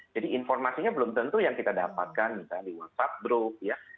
jadi informasinya belum tentu yang kita dapatkan misalnya di whatsapp group ya